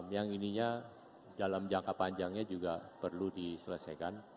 yang ininya dalam jangka panjangnya juga perlu diselesaikan